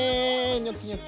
ニョキニョキ！